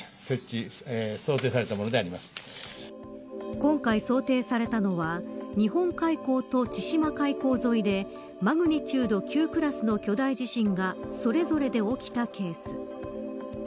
今回、想定されたのは日本海溝と千島海溝沿いでマグニチュード９クラスの巨大地震がそれぞれで起きたケース。